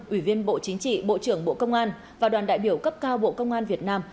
ủy viên bộ chính trị bộ trưởng bộ công an và đoàn đại biểu cấp cao bộ công an việt nam